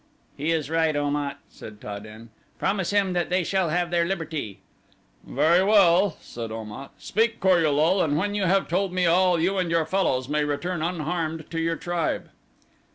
"He is right, Om at," said Ta den, "promise him that they shall have their liberty." "Very well," said Om at. "Speak Kor ul lul, and when you have told me all, you and your fellows may return unharmed to your tribe."